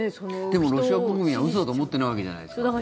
でもロシア国民は嘘だと思ってないわけじゃないですか。